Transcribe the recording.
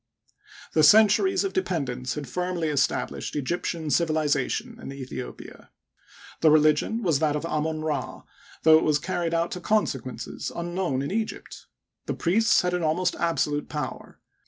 The centuries of dependence had firmly established Egyptian civilization in Aethiopia. The religion was that of Amon Ra, though it was carried out to consequences unknown in Egypt. The priests had an almost absolute power.